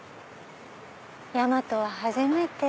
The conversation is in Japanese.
大和は初めて。